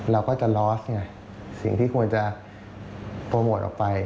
เราก็จะลอสไงสิ่งที่ควรจะโปรโมทออกไป